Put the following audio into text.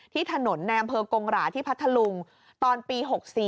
ที่ถนนในอำเภอกงหราที่พัทธลุงตอนปี๖๔